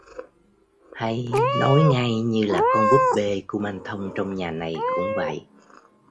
hay nói ngay như là con búp bê kumanthong trong nhà này cũng vậy